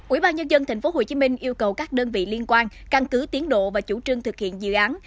ủy ban nhân dân tp hcm yêu cầu các đơn vị liên quan căn cứ tiến độ và chủ trương thực hiện dự án